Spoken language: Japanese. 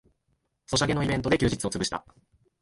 ソシャゲのイベントで休日をつぶした